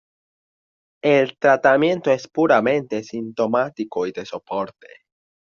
El tratamiento es puramente sintomático y de soporte.